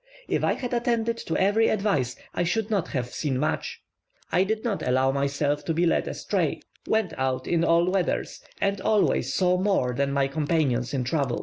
If I had attended to every advice, I should not have seen much. I did not allow myself to be led astray went out in all weathers, and always saw more than my companions in travel.